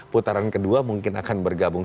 putaran kedua mungkin akan bergabung